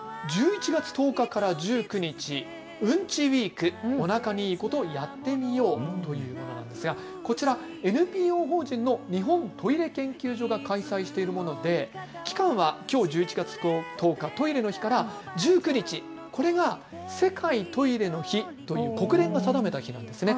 １１月１０日から１９日、うんちｗｅｅｋおなかにいいことやってみようというものなんですが、こちらＮＰＯ法人の日本トイレ研究所が開催しているもので期間はきょう１１月１０日、トイレの日から１９日、これが世界トイレの日、国連が定めた日なんですね。